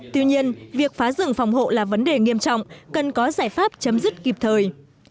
tuy nhiên việc phá rừng phòng hộ là vấn đề nghiêm trọng cần có giải pháp chấm dứt kịp thời